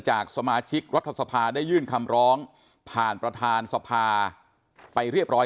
จากสมาชิกรัฐสภาได้ยื่นคำร้องผ่านประธานสภาไปเรียบร้อย